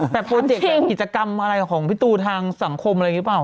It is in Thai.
แต่โปรเจกต์อย่างกิจกรรมอะไรของพี่ตูทางสังคมอะไรหรือเปล่า